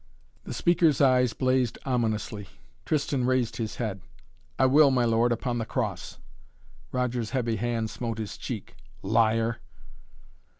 The speaker's eyes blazed ominously. Tristan raised his head. "I will, my lord, upon the Cross!" Roger's heavy hand smote his cheek. "Liar!"